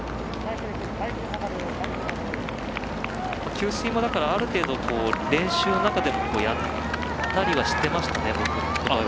給水も、ある程度練習の中でやったりはしていましたね。